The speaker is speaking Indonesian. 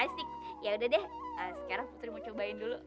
asik yaudah deh sekarang putri mau cobain dulu